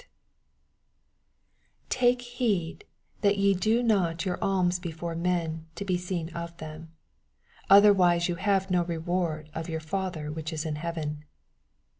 1 Take heed that ye do not your ahns before men to be seen of them ; otherwise ye have no reward of your Father which is in heaven.